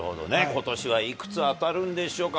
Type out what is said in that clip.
ことしはいくつ当たるんでしょうか。